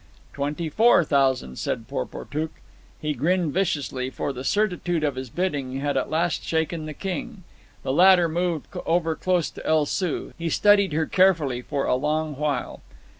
"Twenty four thousand," said Porportuk. He grinned viciously, for the certitude of his bidding had at last shaken the king. The latter moved over close to El Soo. He studied her carefully for a long while.